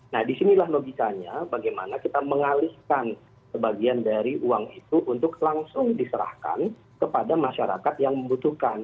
nah disinilah logikanya bagaimana kita mengalihkan sebagian dari uang itu untuk langsung diserahkan kepada masyarakat yang membutuhkan